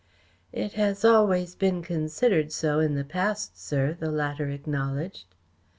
"It has always been considered so in the past, sir," the latter acknowledged.